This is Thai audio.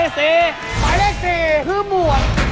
ใส่เลข๔ซึ่งหมวด